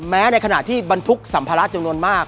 ในขณะที่บรรทุกสัมภาระจำนวนมาก